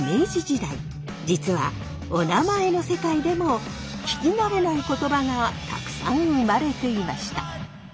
実はおなまえの世界でも聞き慣れない言葉がたくさん生まれていました。